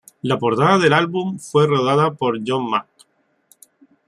La portada del álbum fue rodada por John Mac.